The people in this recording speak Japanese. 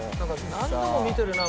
何度も見てるな